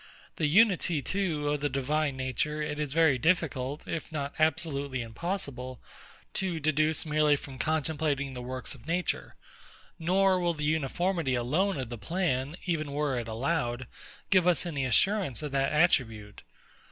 The unity too of the Divine Nature, it is very difficult, if not absolutely impossible, to deduce merely from contemplating the works of nature; nor will the uniformity alone of the plan, even were it allowed, give us any assurance of that attribute.